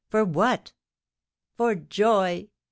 for what?" "For joy."